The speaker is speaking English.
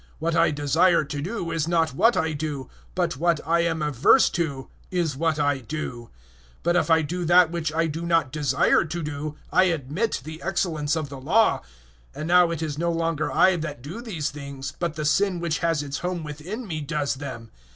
What I desire to do is not what I do, but what I am averse to is what I do. 007:016 But if I do that which I do not desire to do, I admit the excellence of the Law, 007:017 and now it is no longer I that do these things, but the sin which has its home within me does them.